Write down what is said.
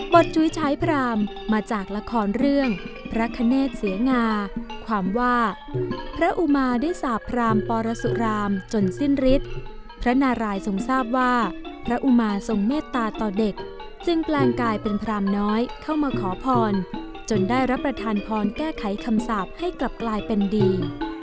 จุ้ยใช้พรามมาจากละครเรื่องพระคเนตเสงาความว่าพระอุมาได้สาปพรามปรสุรามจนสิ้นฤทธิ์พระนารายทรงทราบว่าพระอุมาทรงเมตตาต่อเด็กจึงแปลงกายเป็นพรามน้อยเข้ามาขอพรจนได้รับประทานพรแก้ไขคำสาปให้กลับกลายเป็นดี